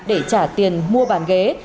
để trả tiền mua bàn ghế